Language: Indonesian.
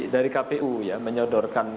dari kpu ya menyodorkan